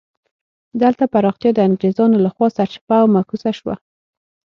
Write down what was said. دلته پراختیا د انګرېزانو له خوا سرچپه او معکوسه شوه.